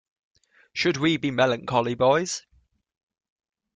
Should we be melancholy, boys?